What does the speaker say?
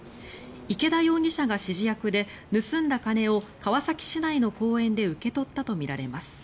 池田容疑者が指示役で盗んだ金を川崎市内の公園で受け取ったとみられます。